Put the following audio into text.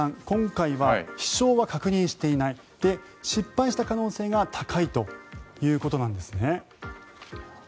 今回は飛翔は確認していない失敗した可能性が高いということなんですね。